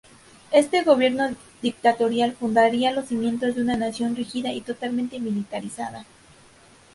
Este gobierno dictatorial fundaría los cimientos de una nación rígida y totalmente militarizada.